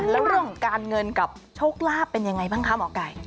แล้วเรื่องของการเงินกับโชคลาภเป็นยังไงบ้างคะหมอไก่